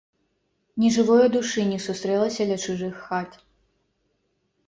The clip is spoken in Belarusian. Ні жывое душы не сустрэлася ля чужых хат.